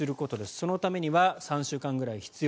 そのためには３週間ぐらい必要。